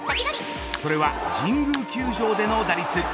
それは神宮球場での打率。